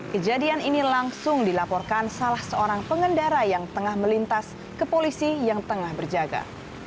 kejadian ini langsung dilaporkan salah seorang pengendara yang tengah melintas ke polisi yang tengah berjaga